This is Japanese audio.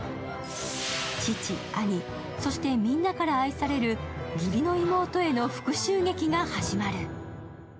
父、兄、そしてみんなから愛される義理の妹への復しゅう劇が始まる。